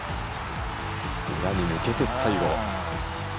裏に抜けて、最後。